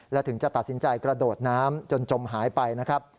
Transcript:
และถึงจะตัดสินใจกระโดดน้ำจนจมหายไปนะครับ